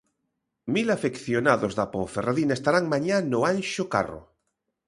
Mil afeccionados da Ponferradina estarán mañá no Anxo Carro.